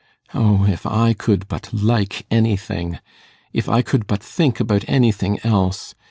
O, if I could but like anything if I could but think about anything else!